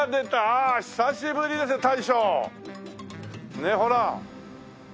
ねえほら。